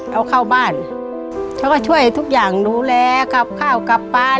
เอาเข้าบ้านเขาก็ช่วยทุกอย่างดูแลกลับข้าวกลับไป